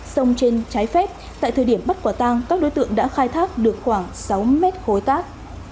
sông trên trái phép tại thời điểm bắt quả tang các đối tượng đã khai thác được khoảng sáu mét khối cát